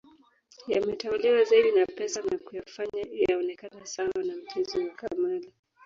Yametawaliwa zaidi na pesa na kuyafanya yaonekane sawa na mchezo wa kamali